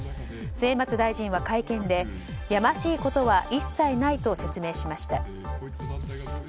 末松大臣は会見でやましいことは一切ないと説明しました。